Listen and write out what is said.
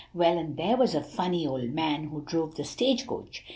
"Well, and there was a funny old man who drove the stage coach.